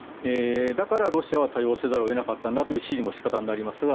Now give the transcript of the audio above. だから、ロシアは対応せざるを得なかったんだという支持の仕方になりますが。